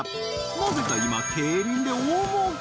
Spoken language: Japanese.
なぜか今競輪で大儲け！？